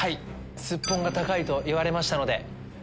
スッポンが高いと言われたので。